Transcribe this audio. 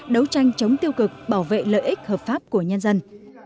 đấu tranh chống tiêu cực bảo vệ lợi ích hợp pháp của nhân dân